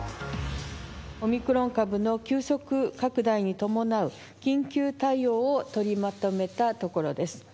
オミクロン株の急速拡大に伴う緊急対応を取りまとめたところです。